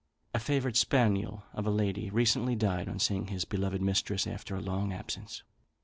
A favourite spaniel of a lady recently died on seeing his beloved mistress after a long absence.